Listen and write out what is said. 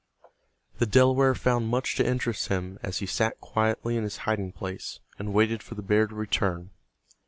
The Delaware found much to interest him as he sat quietly in his hiding place and waited for the bear to return.